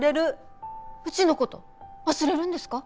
うちのこと忘れるんですか？